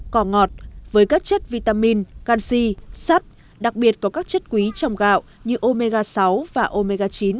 cỏ ngọt với các chất vitamin canxi sắt đặc biệt có các chất quý trong gạo như omega sáu và omega chín